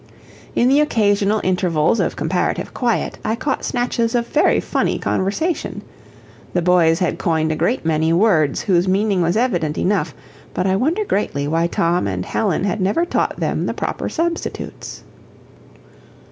In the occasional intervals of comparative quiet I caught snatches of very funny conversation. The boys had coined a great many words whose meaning was evident enough but I wonder greatly why Tom and Helen had never taught them the proper substitutes.